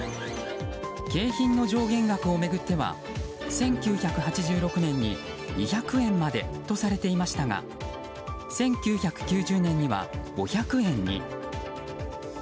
景品の上限額を巡っては１９８６年に２００円までとされていましたが１９９０年には５００円に。